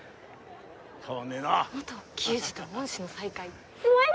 変わんねえな元球児と恩師の再会萌える